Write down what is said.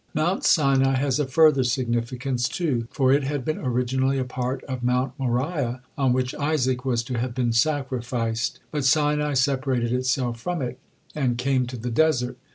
Mount Sinai has a further significance, too, for it had been originally a part of Mount Moriah, on which Isaac was to have been sacrificed; but Sinai separated itself from it, and came to the desert.